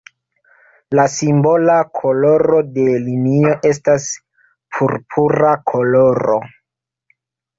La simbola koloro de linio estas purpura koloro.